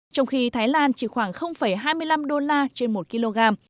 trong khi thái lan chỉ khoảng hai mươi năm đô la trên một kg